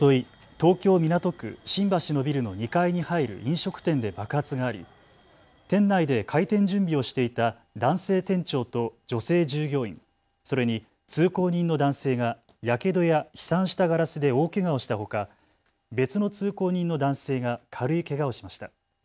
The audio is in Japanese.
東京港区新橋のビルの２階に入る飲食店で爆発があり、店内で開店準備をしていた男性店長と女性従業員、それに通行人の男性がやけどや飛散したガラスで大けがをしたほか、別の通行人の男性が軽いけがをしました。